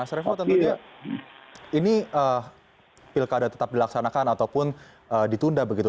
mas revo tentunya ini pilkada tetap dilaksanakan ataupun ditunda begitu